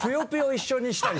一緒にしたり。